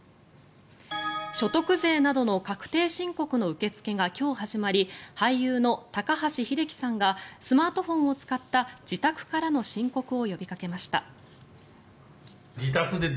所得税などの確定申告の受け付けが今日始まり俳優の高橋英樹さんがスマートフォンを使った自宅からの申告を呼びかけました。